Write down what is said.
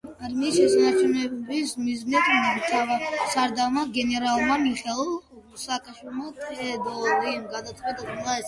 არმიის შენარჩუნების მიზნით მთავარსარდალმა გენერალმა მიხეილ ბარკლაი-დე-ტოლიმ გადაწყვიტა სმოლენსკის დატოვება.